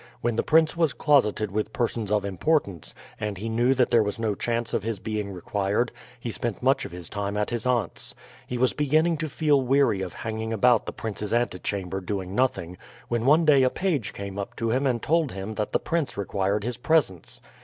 When the prince was closeted with persons of importance, and he knew that there was no chance of his being required, he spent much of his time at his aunt's. He was beginning to feel weary of hanging about the prince's antechamber doing nothing, when one day a page came up to him and told him that the prince required his presence.